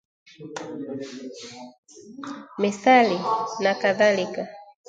methali na kadhalika